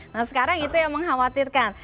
nah sekarang itu yang mengkhawatirkan